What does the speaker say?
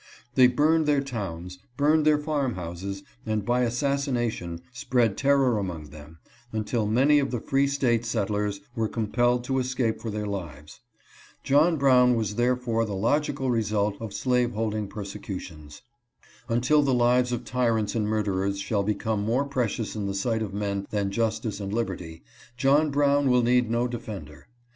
They burned their towns, burned their farm houses, and by assassination spread terror among them, until many of the free State settlers were compelled to escape for their lives. John Brown was 372 HE LIBERATES SLAVES IN MISSOURI. therefore the logical result of slaveholding persecutions. Until the lives of tyrants and murderers shall become more precious in the sight of men than justice and liberty, John Brown will need no defender.